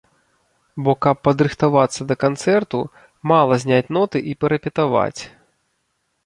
Бо каб падрыхтавацца да канцэрту, мала зняць ноты і парэпетаваць.